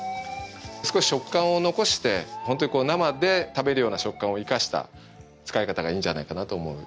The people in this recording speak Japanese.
少し食感を残してホントにこう生で食べるような食感を生かした使い方がいいんじゃないかなと思う。